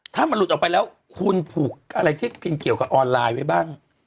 ถ้ามันหลุดออกไปแล้วคุณผูกอะไรที่กินเกี่ยวกับออนไลน์ไว้บ้าง